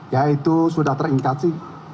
yaitu sudah terimplikasi